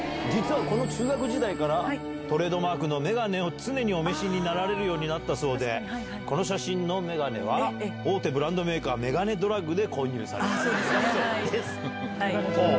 実は、この中学時代から、トレードマークの眼鏡を常にお召しになられるようになったそうで、この写真の眼鏡は、大手ブランドメーカー、メガネドラッグで購入されたと。